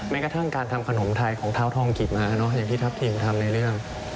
กระทั่งการทำขนมไทยของเท้าทองจิตมาอย่างที่ทัพทิมทำในเรื่อง